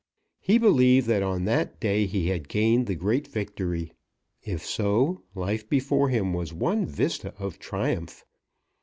He believed that on that day he had gained the great victory. If so, life before him was one vista of triumph.